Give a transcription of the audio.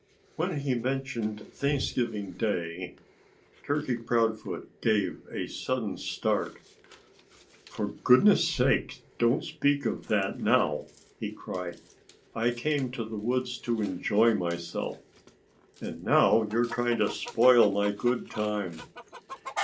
When he mentioned Thanksgiving Day Turkey Proudfoot gave a sudden start. "For goodness' sake, don't speak of that now!" he cried. "I came to the woods to enjoy myself. And now you're trying to spoil my good time."